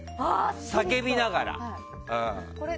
叫びながら。